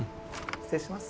失礼します。